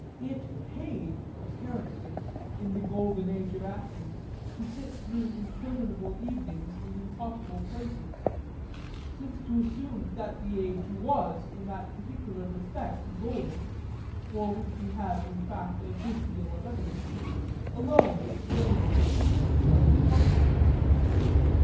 It paid apparently, in the golden age of acting, to sit through interminable evenings in impossible places since to assume that the age was in that particular respect golden (for which we have in fact a good deal of evidence) alone explains the patience of the public.